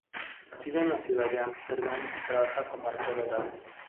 Nacida en la ciudad de Ámsterdam y trabaja como arqueóloga.